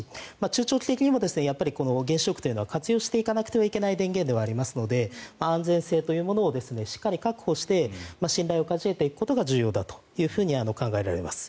中長期的にも原子力は活用していかなくてはいけない電源ではありますので安全性というものをしっかり確保して信頼を勝ち得ていくのが大事だと考えられます。